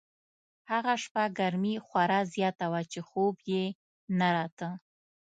هغه شپه ګرمي خورا زیاته وه چې خوب یې نه راته.